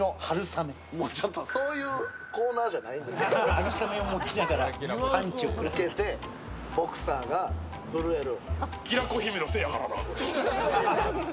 はるさめを持ちながらパンチを受けてボクサーが震える。